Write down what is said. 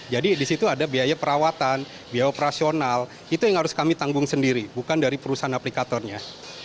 di situ ada biaya perawatan biaya operasional itu yang harus kami tanggung sendiri bukan dari perusahaan aplikatornya